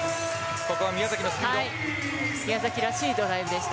宮崎らしいドライブでした。